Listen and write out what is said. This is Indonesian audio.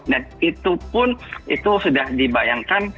dan itu pun itu sudah dibayangkan